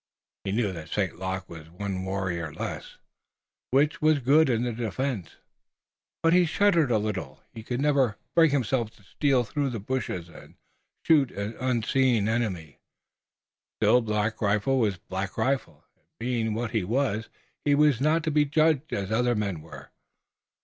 He knew that St. Luc was one warrior less, which was good for the defense, but he shuddered a little. He could never bring himself to steal through the bushes and shoot an unseeing enemy. Still Black Rifle was Black Rifle, and being what he was he was not to be judged as other men were.